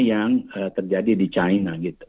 yang terjadi di china